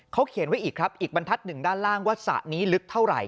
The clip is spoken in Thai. เขาเขียนไว้อีกครับอีกบรรทัศน์หนึ่งด้านล่างว่าสระนี้ลึกเท่าไหร่